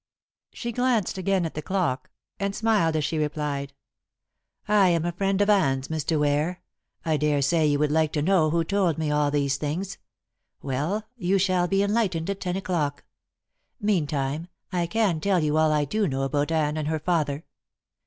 She glanced again at the clock, and smiled as she replied, "I am a friend of Anne's, Mr. Ware. I daresay you would like to know who told me all these things. Well, you shall be enlightened at ten o'clock. Meantime I can tell you all I do know about Anne and her father."